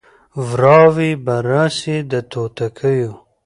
وراوي به راسي د توتکیو